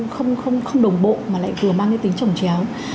không không đồng bộ mà lại vừa mang cái tính trồng chéo